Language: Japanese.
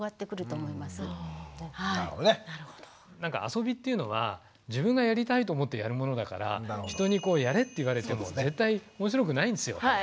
遊びっていうのは自分がやりたいと思ってやるものだから人にやれって言われても絶対おもしろくないんですよ。